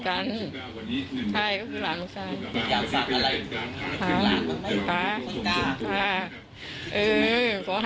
อยากฝากอะไรหรือเป็นหลานหรือเป็นคนกล้าฮะ